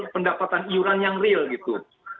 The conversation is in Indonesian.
pendapatan iuran yang real gitu